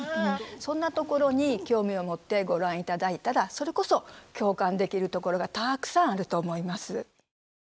そんなところに興味を持ってご覧いただいたらそれこそ共感できるところがたくさんあると思います。